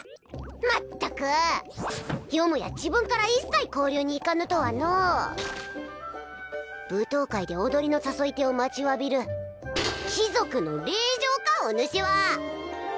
まったくよもや自分から一切交流に行かぬとはのう舞踏会で踊りの誘い手を待ちわびる貴族の令嬢かおぬしは！